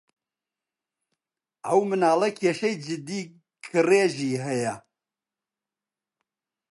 ئەو مناڵە کێشەی جددی کڕێژی ھەیە.